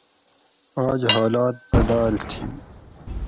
آج حالات بدال تھی